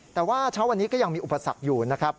แต่ว่าเช้าวันนี้ก็ยังมีอุปสรรคอยู่นะครับ